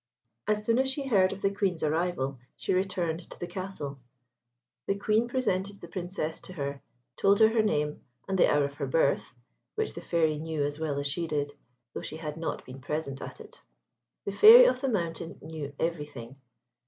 As soon as she heard of the Queen's arrival, she returned to the castle. The Queen presented the Princess to her, told her her name and the hour of her birth, which the Fairy knew as well as she did, though she had not been present at it. The Fairy of the Mountain knew everything.